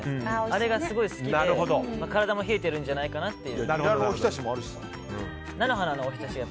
あれがすごい好きで体も冷えているんじゃないかなと。